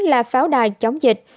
là pháo đài chống dịch